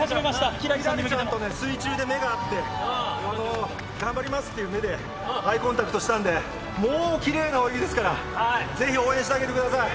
輝星ちゃんと水中で目が合って、頑張りますっていう目で、アイコンタクトしたんで、もうきれいな泳ぎですから、ぜひ応援してあげてください。